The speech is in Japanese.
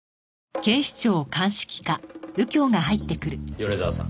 米沢さん。